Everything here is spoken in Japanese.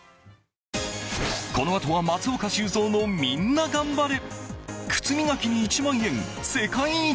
このあとは松岡修造のみんながん晴れ。